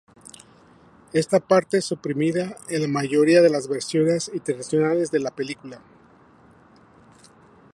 Esta parte suprimida en la mayoría de las versiones internacionales de la película.